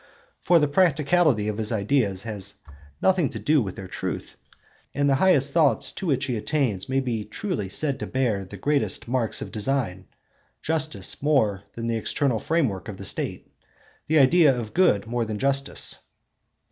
For the practicability of his ideas has nothing to do with their truth; and the highest thoughts to which he attains may be truly said to bear the greatest 'marks of design'—justice more than the external frame work of the State, the idea of good more than justice.